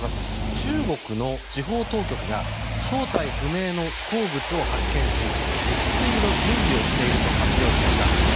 中国の地方当局が正体不明の飛行物を発見し撃墜の準備をしていると発表しました。